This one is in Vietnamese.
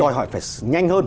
đòi hỏi phải nhanh hơn